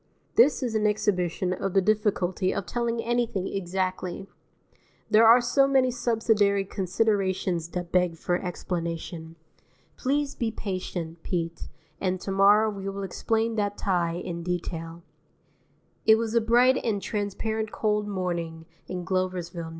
This is an exhibition of the difficulty of telling anything exactly. There are so many subsidiary considerations that beg for explanation. Please be patient, Pete, and to morrow we will explain that tie in detail. II It was a bright and transparent cold morning in Gloversville, N.